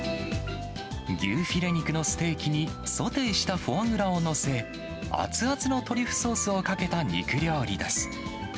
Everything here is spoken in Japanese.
牛フィレ肉のステーキに、ソテーしたフォアグラを載せ、熱々のトリュフソースをかけた肉料理です。